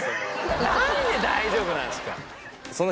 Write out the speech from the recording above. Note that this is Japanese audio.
何で大丈夫なんすか。